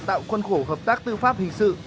tạo quân khổ hợp tác tư pháp hình sự